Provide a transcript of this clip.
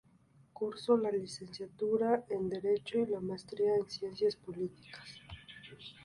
Cursó la licenciatura en derecho y la maestría en ciencias políticas.